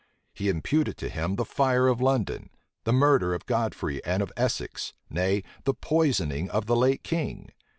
He imputed to him the fire of London, the murder of Godfrey and of Essex, nay, the poisoning of the late king.